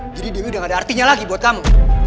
jadi dia udah gak ada artinya lagi buat kamu